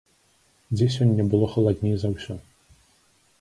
Дзе сёння было халадней за ўсё?